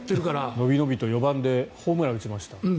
のびのびと４番でホームランを打ちました。